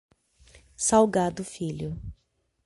Salgado Filho